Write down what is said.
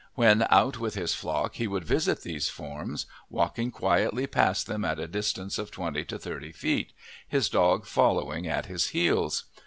When out with his flock he would visit these forms, walking quietly past them at a distance of twenty to thirty feet, his dog following at his heels.